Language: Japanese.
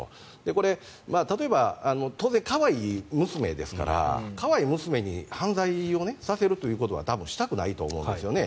これ、例えば当然、可愛い娘ですから可愛い娘に犯罪をさせるということは多分したくないと思うんですよね。